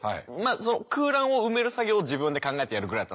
空欄を埋める作業を自分で考えてやるぐらいだったんですけど。